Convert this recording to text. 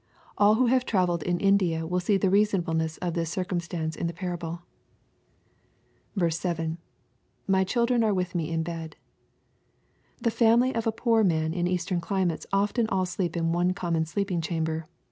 All who have travelled in India will see the reasonableness of this circumstance in the parable. 7. — [My children are with me in hed,'\ The family of a poor man in eastern climates often all sleep in one common sleeping chamber.